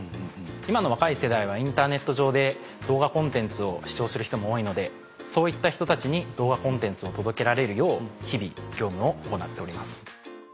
今の若い世代はインターネット上で動画コンテンツを視聴する人も多いのでそういった人たちに動画コンテンツを届けられるよう日々業務を行っております。